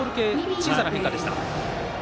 小さな変化でした。